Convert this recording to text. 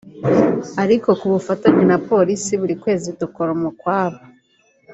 ariko ku bufatanye na Polisi buri kwezi dukora umukwabu